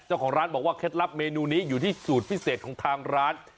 เจ้าของร้านบอกว่าเคล็ดลับเมนูนี้อยู่ที่สูตรพิเศษของทางร้าน